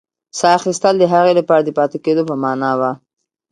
ساه اخیستل د هغې لپاره د پاتې کېدو په مانا وه.